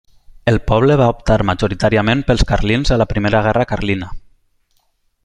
El poble va optar majoritàriament pels carlins a la Primera Guerra Carlina.